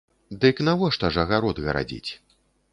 Дык навошта ж агарод гарадзіць?